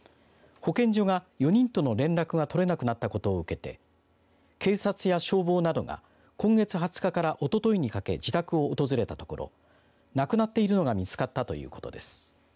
保健所が４人との連絡が取れなくなったことを受けて警察や消防などが今月２０日から、おとといにかけ自宅を訪れたところ亡くなっているのが見つかったということです。